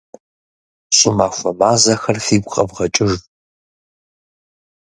ЩӀымахуэ мазэхэр фигу къэвгъэкӀыж.